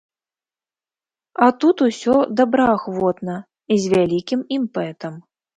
А тут усё добраахвотна і з вялікім імпэтам.